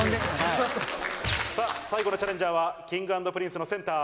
最後のチャレンジャーはＫｉｎｇ＆Ｐｒｉｎｃｅのセンター。